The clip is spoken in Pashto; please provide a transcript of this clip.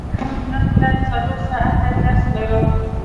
موږ نن ورځ څلور ساعته درس لرو.